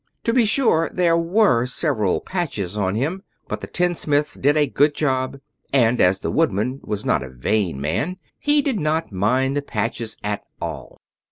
To be sure, there were several patches on him, but the tinsmiths did a good job, and as the Woodman was not a vain man he did not mind the patches at all.